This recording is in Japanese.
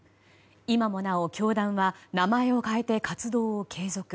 今もなお教団は名前を変えて活動を継続。